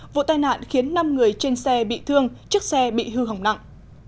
vụ tai nạn khiến năm người trên xe bị thương chiếc xe bị hư hỏng nặng